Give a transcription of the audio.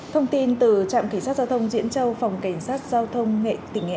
thông tin từ trạm cảnh sát giao thông diễn châu phòng cảnh sát giao thông tỉnh nghệ